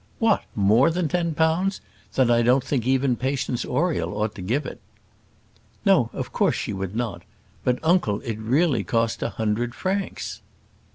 "What! more than ten pounds? Then I don't think even Patience Oriel ought to give it." "No, of course she would not; but, uncle, it really cost a hundred francs!"